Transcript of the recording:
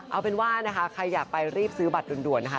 เอาเป็นว่านะคะใครอยากไปรีบซื้อบัตรด่วนนะคะ